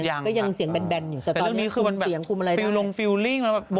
อะไปเรื่องต่อไปนะครับ